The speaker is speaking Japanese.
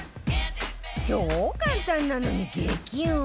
超簡単なのに激うま！